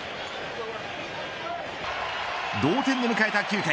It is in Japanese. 同点で迎えた９回。